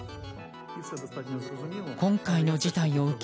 今回の事態を受け